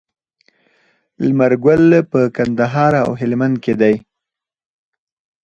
لمر ګل په کندهار او هلمند کې دی.